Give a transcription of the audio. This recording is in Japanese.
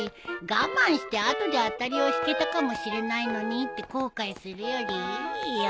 我慢して後で当たりを引けたかもしれないのにって後悔するよりいいよ。